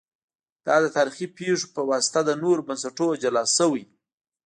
دا د تاریخي پېښو په واسطه له نورو بنسټونو جلا سوي